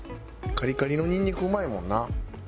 カリカリのニンニクうまいもんな。